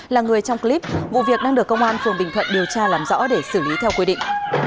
là người trong clip vụ việc đang được công an phường bình thuận điều tra làm rõ để xử lý theo quy định